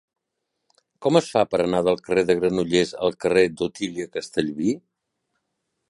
Com es fa per anar del carrer de Granollers al carrer d'Otília Castellví?